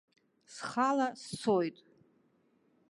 Схала сцоит.